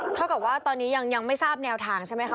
เท่ากับว่าตอนนี้ยังไม่ทราบแนวทางใช่ไหมคะ